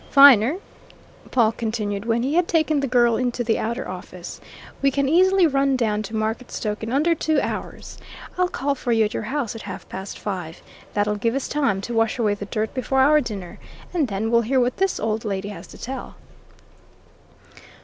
"Viner," Pawle continued when he had taken the girl into the outer office, "we can easily run down to Marketstoke in under two hours. I'll call for you at your house at half past five. That'll give us time to wash away the dirt before our dinner. And then we'll hear what this old lady has to tell."